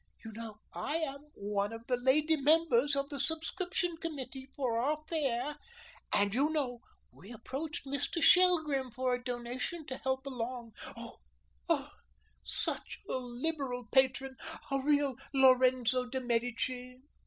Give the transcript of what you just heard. You know I am one of the lady members of the subscription committee for our Fair, and you know we approached Mr. Shelgrim for a donation to help along. Oh, such a liberal patron, a real Lorenzo di' Medici.